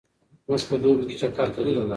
موږ په دوبي کې چکر ته ځو.